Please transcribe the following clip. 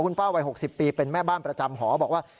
ป้าวัย๖๐ปีเป็นแม่บ้านประจำหอบอกว่า